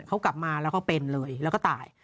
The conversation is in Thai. เขากลับมาแล้วเขาเป็นเลยแล้วก็ตาย